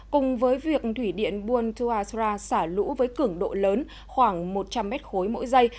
cùng với việc thủy điện buon tuasra xả lũ với cứng độ lớn khoảng một trăm linh mét khối mỗi giây